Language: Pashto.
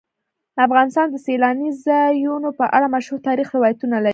افغانستان د سیلانی ځایونه په اړه مشهور تاریخی روایتونه لري.